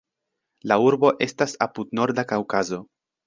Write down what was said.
La urbo estas apud Norda Kaŭkazo.